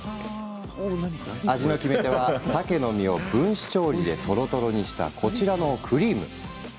味の決め手は、さけの身を分子調理でとろとろにしたこちらのクリーム。